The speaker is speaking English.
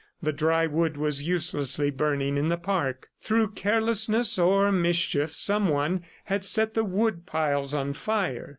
The dry wood was uselessly burning in the park. Through carelessness or mischief, someone had set the wood piles on fire.